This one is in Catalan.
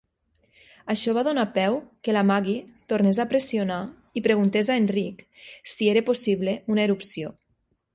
Això va donar peu que la Maggie tornés a pressionar i preguntés a en Rick si era possible una erupció.